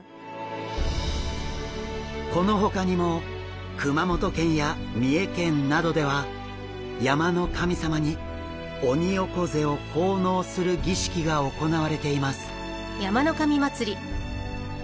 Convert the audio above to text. このほかにも熊本県や三重県などでは山の神様にオニオコゼを奉納する儀式が行われています。